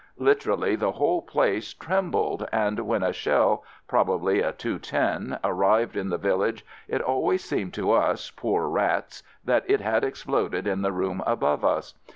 Literally the whole place trembled, and when a shell, probably a "210," arrived in the village it always seemed to us, poor rats, that it had exploded in the room above us.